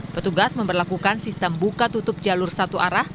petugas memperlakukan sistem buka tutup jalur satu arah